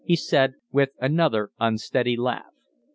he said, with another unsteady laugh.